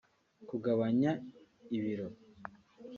Kugabanya ibiro